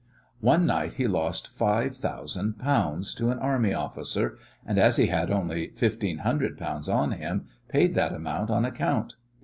One night he lost five thousand pounds to an army officer, and as he had only fifteen hundred pounds on him paid that amount on account.